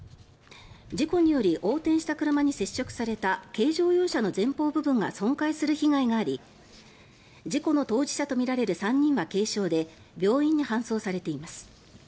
事故により横転した車に接触された軽乗用車の前方部分が損壊する被害があり事故の当事者とみられる３人は軽傷で病院に搬送されています。